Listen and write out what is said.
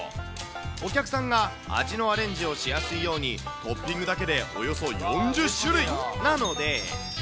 お客さんが味のアレンジをしやすいように、トッピングだけでおよそ４０種類、なので。